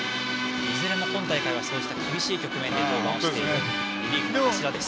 いずれも今大会はそうした苦しい局面で登板をしているリリーフの柱です。